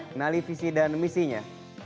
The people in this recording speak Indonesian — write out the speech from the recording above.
kenali visi dan misinya